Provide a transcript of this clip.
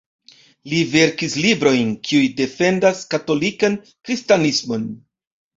Li verkis librojn, kiuj defendas katolikan kristanismon.